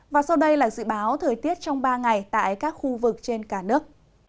và sau đây là dự báo thời tiết trong ba ngày tại các khu vực trên cả nước